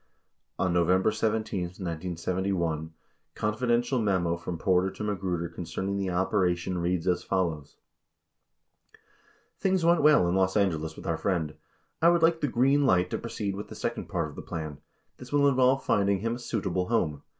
44 A November 17, 1971, confidential memo from Porter to Magruder concerning the operation reads as follows : Things went well in Los Angeles with our friend. I would like the "green light" to proceed with the second part of the plan. This will involve finding him a "suitable" home.